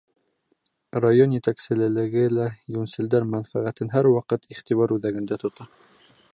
Район етәкселеге лә йүнселдәр мәнфәғәтен һәр ваҡыт иғтибар үҙәгендә тота.